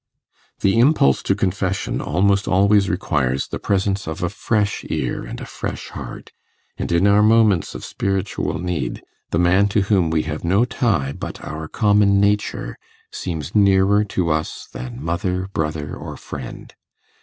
The impulse to confession almost always requires the presence of a fresh ear and a fresh heart; and in our moments of spiritual need, the man to whom we have no tie but our common nature, seems nearer to us than mother, brother, or friend.